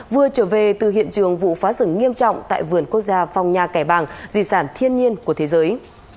vừa trở về từ hiện trường vụ phá rừng nghiêm trọng tại vườn quốc gia phong nha kẻ bàng di sản thiên nhiên của thế giới